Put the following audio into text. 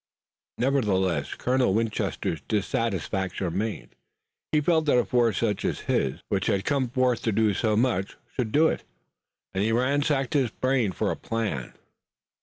Nevertheless Colonel Winchester's dissatisfaction remained. He felt that a force such as his, which had come forth to do so much, should do it, and he ransacked his brain for a plan.